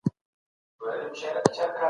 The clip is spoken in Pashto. که محلي حاکمان داسي نه وای کړي، وضعیت به ښه و.